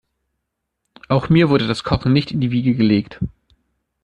Auch mir wurde das Kochen nicht in die Wiege gelegt.